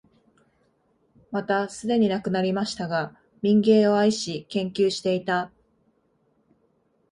またすでに亡くなりましたが、民藝を愛し、研究していた、